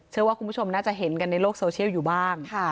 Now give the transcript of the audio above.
เชื่อว่าคุณผู้ชมน่าจะเห็นกันในโลกโซเชียลอยู่บ้าง